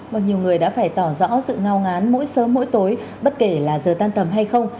mà nhiều người đã phải tỏ rõ sự ngao ngán mỗi sớm mỗi tối bất kể là giờ tan tầm hay không